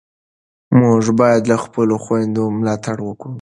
موږ باید له خپلو خویندو ملاتړ وکړو.